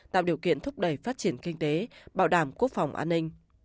tạo điều kiện thúc đẩy phát triển kinh tế bảo đảm quốc phòng an ninh